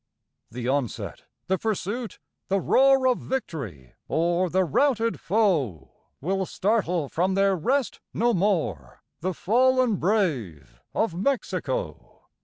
The onset the pursuit the roar Of victory o'er the routed foe Will startle from their rest no more The fallen brave of Mexico.